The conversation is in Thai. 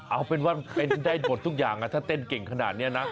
เอาเป็นว่าเป็นได้หมดทุกอย่างนะถ้าเต้นเก่งขนาดนี้นะ